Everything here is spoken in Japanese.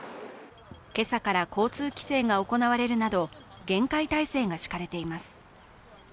今朝から交通規制が行われるなど厳戒態勢が敷かれています。